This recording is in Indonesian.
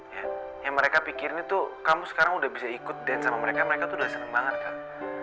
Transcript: ya yang mereka pikirin itu kamu sekarang udah bisa ikut dance sama mereka mereka tuh udah seneng banget kak